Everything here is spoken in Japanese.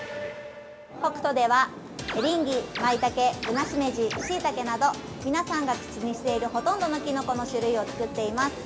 ◆ホクトでは、エリンギ、マイタケ、ぶなしめじしいたけなど皆さんが口にしているほとんどのきのこの種類を作っています。